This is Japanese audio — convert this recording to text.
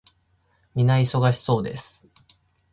皆忙しそうです。